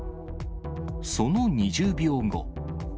その２０秒後。